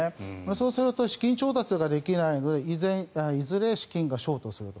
そうすると資金調達ができないのでいずれ資金がショートすると。